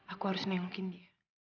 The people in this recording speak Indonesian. aku harus nengokin dia